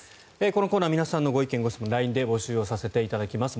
このコーナー皆さんのご意見・ご質問をＬＩＮＥで募集させていただきます。